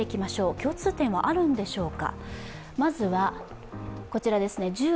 共通点はあるんでしょうか？